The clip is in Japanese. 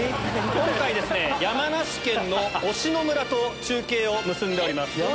今回山梨県の忍野村と中継を結んでおります。